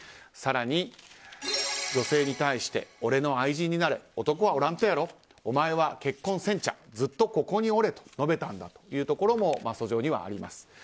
更に、女性に対して俺の愛人になれ男はおらんとやろお前は結婚せんちゃずっとここにおれと述べたんだというところも訴状にはあります。